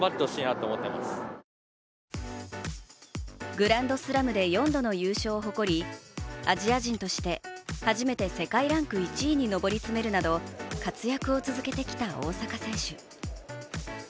グランドスラムで４度の優勝を誇りアジア人として、初めて世界ランク１位に上り詰めるなど活躍を続けてきた大坂選手。